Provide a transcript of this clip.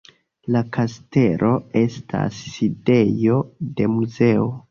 La kastelo estas sidejo de muzeo.